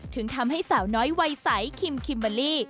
ถึงทำให้สาวน้อยวัยใสคิมคิมเบอร์รี่